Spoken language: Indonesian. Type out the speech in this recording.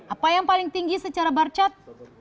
apa yang paling tinggi secara barcat